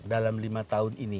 dalam lima tahun ini